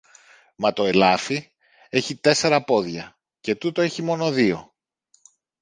Μα το ελάφι έχει τέσσερα πόδια, και τούτο έχει μόνο δυο!